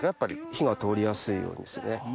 火が通りやすいようにですね。